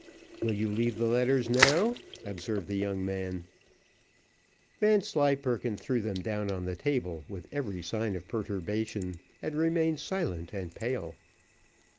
"Will you leave the letters now?" observed the young man. Vanslyperken threw them down on the table with every sign of perturbation, and remained silent and pale.